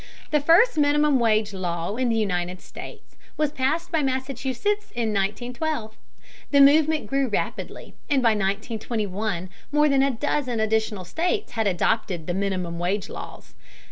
The first minimum wage law in the United States was passed by Massachusetts in 1912. The movement grew rapidly, and by 1921 more than a dozen additional states had adopted minimum wage laws.